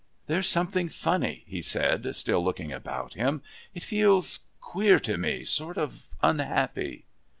"There's something funny," he said, still looking about him. "It feels queer to me sort of unhappy."